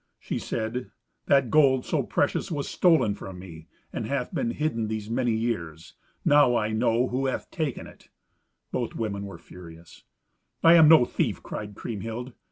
She said, "That gold so precious was stolen from me, and hath been hidden these many years. Now I know who hath taken it." Both the women were furious. "I am no thief," cried Kriemhild.